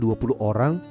dengan luas yang sama